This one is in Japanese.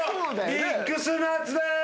ミックスナッツです！